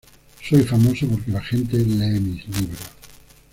Soy famoso porque la gente lee mis libros.